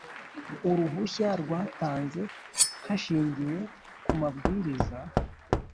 Uruhushya rwatanze hashingiwe ku mabwiriza